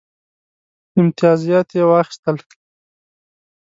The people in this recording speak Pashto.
امتیازات یې واخیستل.